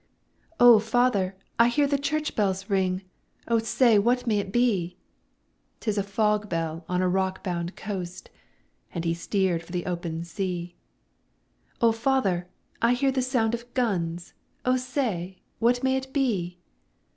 'O father! I hear the church bells ring, O say, what may it be?' ''Tis a fog bell, on a rock bound coast!' And he steer'd for the open sea. 'O father! I hear the sound of guns, O say, what may it be?'